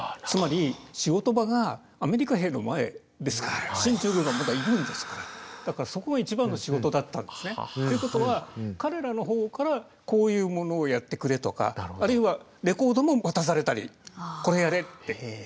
つまり仕事場がアメリカ兵の前ですから進駐軍がまだいるんですからだからそこが一番の仕事だったんですね。ということは彼らの方からこういうものをやってくれとかあるいはレコードも渡されたりこれやれって。